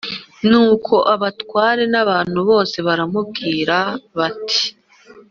Nuko abatware n abantu bose baramubwira bati